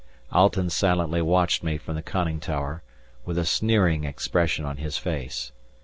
Alten silently watched me from the conning tower, with a sneering expression on his face.